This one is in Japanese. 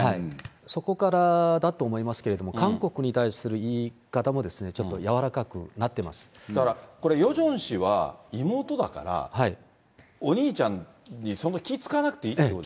そこからだと思いますけど、韓国に対する言い方も、ちょっとだからヨジョン氏は、妹だから、お兄ちゃんにそんな気使わなくていいということですね。